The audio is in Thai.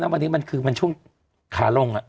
จากที่ตอนแรกอยู่ที่๑๐กว่าศพแล้ว